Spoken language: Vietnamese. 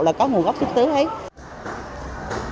là có nguồn gốc xuất xứ hết